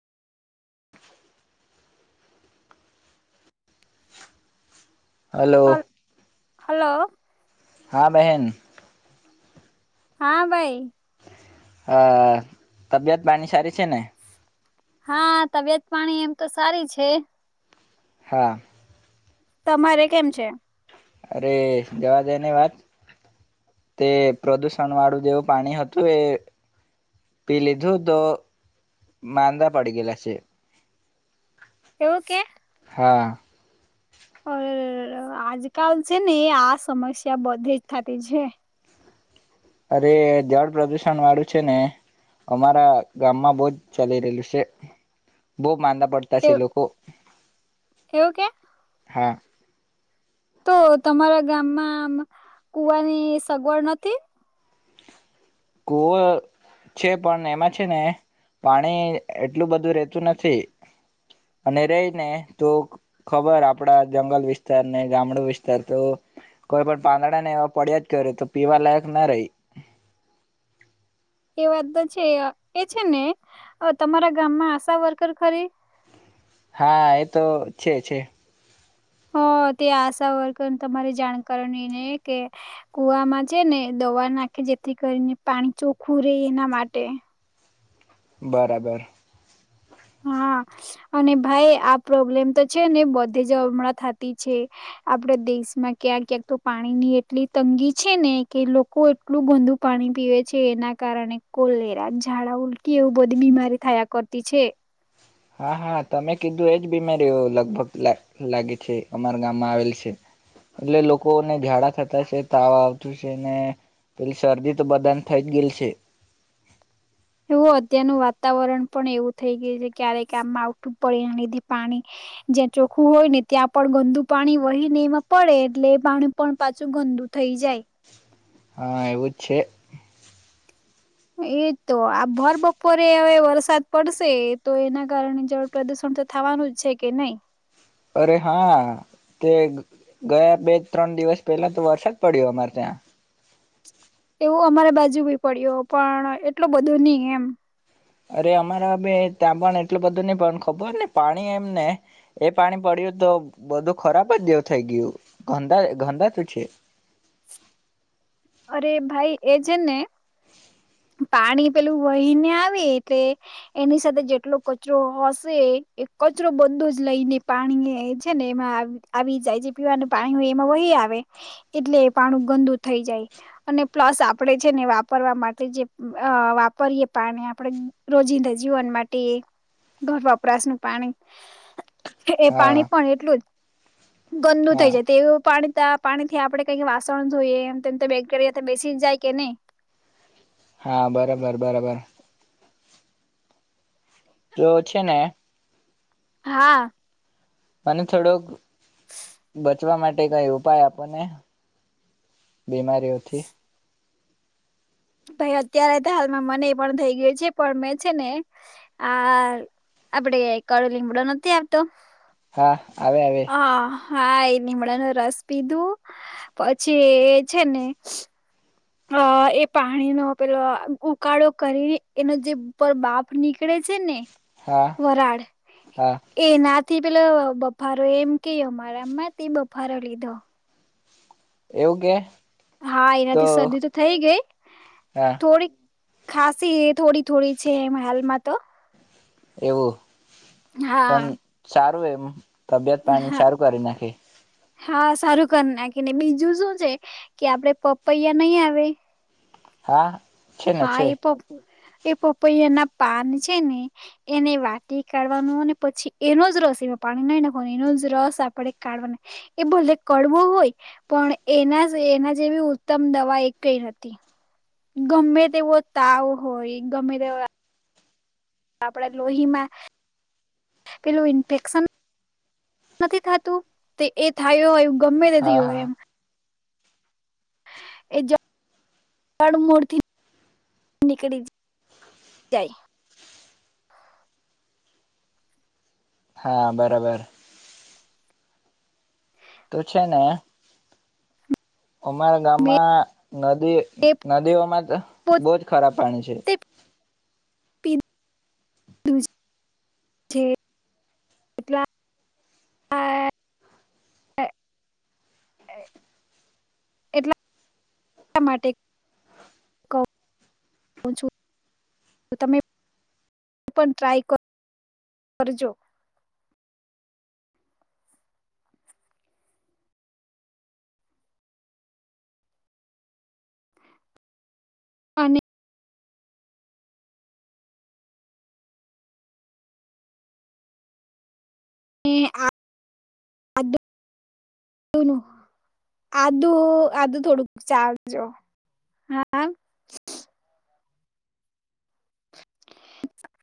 Hello હલ hello. હા બેહેન. હા ભાઈ. અ તબિયત પાની સારી છે ને? હા તબિયત પાણી એમ તો સારી છે. હા. તમારે કેમ છે? અરે જવા દે ની વાત, તે પ્રદુષણ વાળું જેવું પાણી હતું એ, પી લીધું તો માંદા પડી ગયેલા છે. એવું કે? હા. અર આજકાલ છે ને આ સમસ્યા બધી જ થતી છે. અરે જળ પ્રદુષણ વાળું છે ને, અમારા ગામમાં બહજ ચાલી રહેલું છે, બહુ માંદા પડતા છે લોકો. એવું કે. હા. તો તમારા ગામમાં, કુવાની સગવડ નથી? કૂવો છે પણ એમાં છે ને, પાણી એટલું બધું રેતું નથી, અને રહી ને તો ખબર આપડા જંગલ વિસ્તારને ગામડો વિસ્તાર તો, કોઈ પણ પાંદડાને એવા પડ્યા જ કરે તો પીવા લયક ના રેય. એ વાત તો છે એ છે ને, તમારા ગામમાં આશા વર્કર ખરી? હા એ તો છે છે. હ તે આશાવર્કર તમારે જાણકારનું એને કે, કુમાં છે ને દવા નાખે દે જેથી કરીને પાણી ચોખ્ખું રે એના માટે. બરાબર. હા, અને ભાઈ આ પ્રોબ્લેમ તો છે ને બધે જ હમણાં થતી છે, આપડા દેશમાં ક્યાં ક્યાંક તો પાણીની એટલી તંગી છે ને કે લોકો એટલું ગંદુ પાણી પીવે છે એના કારણે કોલેરા, ઝાડા, ઉલકી એવું બધી બીમારી થયા કરતી છે. હા હા તમે કીધું એજ બીમારીઓ લગભગ લા લાગે છે અમારા ગામમાં આવેલ છે, એટલે લોકોને ઝાડા થતા છે તાવ આવતું છે ને, પેલી શરદી તો બધાને થઈ જ ગયેલ શે. એવું અત્યારનું વાતાવરણ પણ એવું થઈ ગયું છે ક્યારેક આમમાં આવઠું પડે એ લીધે પાણી, જ્યાં ચોખ્ખું હોય ને ત્યાં પણ ગંદુ પાણી વહી ને એમાં પડે એટલે એ પાણી પણ પાછું ગંદુ થઈ જાય. હા એવું જ છે. એજ તો આ ભર બપોરે હવે વરસાદ પડશે તો એના કારણે જળ પ્રદુષણ તો થવાનું જ છે કે નહી. અરે હા તે ગયા બે ત્રણ દિવસ પહેલા તો વરસાદ પડ્યો અમારે ત્યાં. એવું અમારે બાજુ બી પડ્યો, પણ એટલું બધું નહી એમ. અરે અમારા બે ત્યાં પણ એટલું બધું નહી પણ ખબર ને પાણી એમને, એ પાણી પડ્યું તો બધું ખરાબ જ એવું થઈ ગયું, ગંદા ગંદા તું છે. અરે ભાઈ એ છે ને, પાણી પેલું વહીને આવે એટલે, એની સાથે જેટલો કચરો હશે એ કચરો બંદો જ લઈને પાણી છે ને એમાં આવી જાય જે પીવાનું પાણી હોય એમાં વહી આવે, એટલે પાણું ગંદુ થઈ જાય. અને પ્લસ આપણેે છે ને વાપરવા માટે જે અ વાપરીએ પાણી આપણે રોજિંદા જીવન માટે ઘર વપરાશનું પાણી એ હા પાણી પણ એટલું જ ગંદુ હા થઈ જાય. તે પાણી તા પાણી થી આપણે કઈક વાસણ ધોઈએ ત બે [unintelligible] બેસી જાય કે નહી. હા બરાબર બરાબર તો છે ને હા. મને થોડોક બચવા માટે કઈ ઉપાય આપોને, બીમારીઓથી. ભાઈ અત્યારે તો હાલમાં મને એ પણ થઈ ગયું છે પણ મેં છે ને, આ આપડે કડ લીમડો નથી આવતો. હા આવે આવે. હ હા એ લીમડા ન રસ પીધું, પછી એ છે ને અ એ પાણીનો પેલો ઉકાળો કરી એનો જે ઉપર બાપ નીકળે છે ને. હા વરાળ, હા એનાથ થી પેલા બફારો એમ કેયો મારા આમાં તે બફારો લીધો. એવું કે. હા એના થી શરદી તો થઈ ગઈ હા થોડીક ખાસ થોડી થોડી છે. હાલમાં તો. એવું. હા. હવે એમ. તબિયત પાણી હા સારું કરી નાંખે. હા સારૂ કરી નાખી ને બીજું શું છે. કે આપડે પપૈયા નઈઆવે. હા. છે ને હા, છે એ તો. એ પપૈયાના પાન છે ને એને વાટી કાઢવાનું અને પછી એનો જ રસ એમાં પાણી નહી નાખવા એનો જ રસ આપણે કાઢવાનો એ ભલે કડવો હોય પણ એના એના જેવી ઉત્તમ દવા એ કઈ નથી. ગમે તેવો તાવ હોય ગમે તે આપડા લોહી માં. પેલું ઇન્ફેક્શન. નથી થતું એ થયું હોય. ગમે હા નથી હા હોય એમ. એ જડમૂળ થી નીકળી જાય. હા, બરાબર. તો છે ને. અમારા મેં ગામમાં. નદી નદીઓમાં તો બહુ પોતે ખરા પાણી છે. [unintelligible] એ માટે કવ છું તમે પણ ટ્રાય કરજો. અને. [unintelligible]